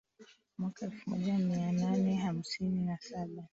Mwaka elfu moja mia nane hamsini na saba